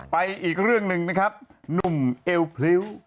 อีกเรื่องหนึ่งนะครับหนุ่มเอวพริ้ว